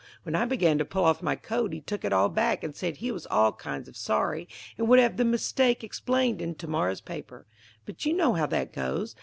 When I began to pull off my coat he took it all back and said he was all kinds of sorry and would have the mistake explained in to morrow's paper. But you know how that goes.